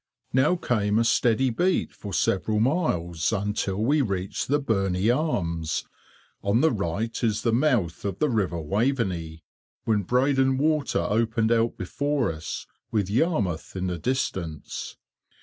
Now came a steady beat for several miles, until we reached the Berney Arms (on the right is the mouth of the river Waveney), when Breydon water opened out before us, with Yarmouth in the distance.